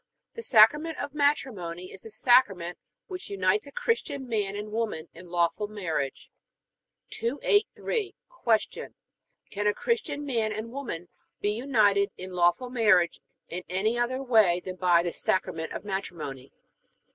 The Sacrament of Matrimony is the Sacrament which unites a Christian man and woman in lawful marriage. 283. Q. Can a Christian man and woman be united in lawful marriage in any other way than by the Sacrament of Matrimony?